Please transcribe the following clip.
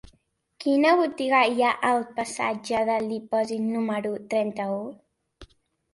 Quina botiga hi ha al passatge del Dipòsit número trenta-u?